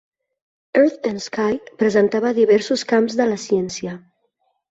Earth and Sky presentava diversos camps de la ciència.